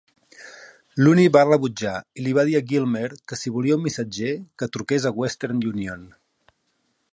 Looney va rebutjar i li va dir a Gilmer que si volia un missatger, que truqués a Western Union.